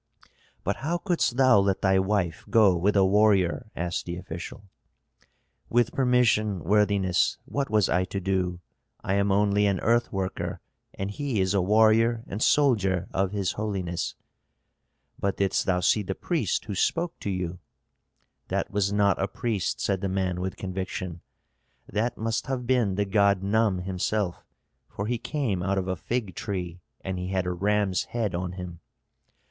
"But how couldst thou let thy wife go with a warrior?" asked the official. "With permission, worthiness, what was I to do? I am only an earth worker, and he is a warrior and soldier of his holiness." "But didst thou see the priest who spoke to you?" "That was not a priest," said the man, with conviction. "That must have been the god Num himself, for he came out of a fig tree and he had a ram's head on him."